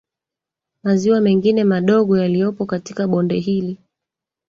Maziwa mengine madogo yaliyopo katika bonde hili